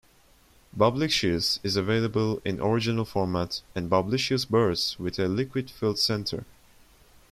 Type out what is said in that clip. Bubblicious is available in original format and Bubblicious Bursts with a liquid-filled center.